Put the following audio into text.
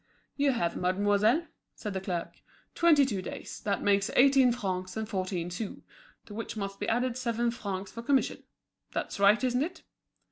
"You have, mademoiselle," said the clerk, "twenty two days; that makes eighteen francs and fourteen sous; to which must be added seven francs for commission. That's right, isn't it?"